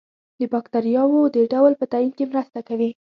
د باکتریاوو د ډول په تعین کې مرسته کوي.